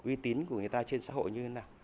uy tín của người ta trên xã hội như thế nào